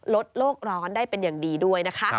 ลดโลกร้อนได้เป็นอย่างดีด้วยนะคะ